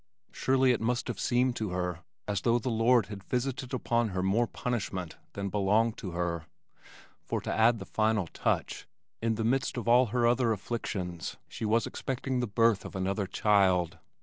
Surely it must have seemed to her as though the Lord had visited upon her more punishment than belonged to her, for to add the final touch, in the midst of all her other afflictions she was expecting the birth of another child.